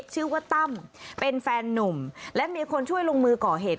ชื่อว่าตั้มเป็นแฟนนุ่มและมีคนช่วยลงมือก่อเหตุ